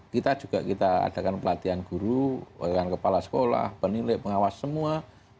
kita juga kita adakan pelatihan guru pelatihan kepala sekolah penilai pengawas semua